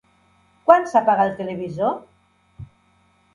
Quan s'apaga el televisor?